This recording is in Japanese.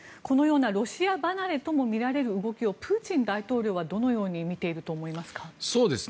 このようなロシア離れともみられる動きをプーチン大統領はどのように見ていると思いますか。